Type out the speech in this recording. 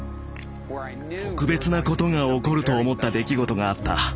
特別なことが起こると思った出来事があった。